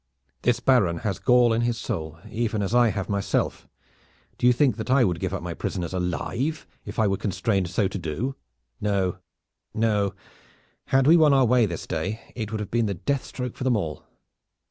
This Baron has gall in his soul, even as I have myself, and do you think that I would give up my prisoners alive, if I were constrained so to do? No, no; had we won our way this day it would have been the death stroke for them all."